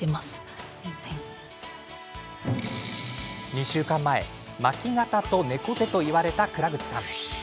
２週間前、巻き肩と猫背と言われた蔵口さん。